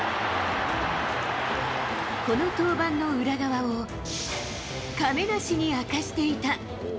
この登板の裏側を、亀梨に明かしていた。